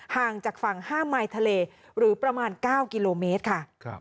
ห่างจากฝั่ง๕มายทะเลหรือประมาณ๙กิโลเมตรค่ะ